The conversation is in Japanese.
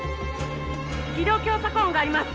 気道狭窄音があります